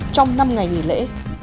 trong năm ngày nghỉ lễ